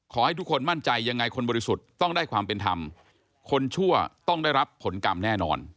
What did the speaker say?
ขอให้ทุกคนมั่นใจยังไงคนบริสุทธิ์ต้องได้ความเป็นธรรมคนชั่วต้องได้รับผลกรรมแน่นอน